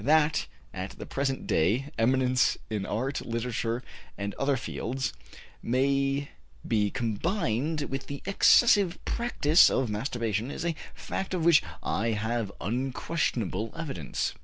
That, at the present day, eminence in art, literature, and other fields may be combined with the excessive practice of masturbation is a fact of which I have unquestionable evidence.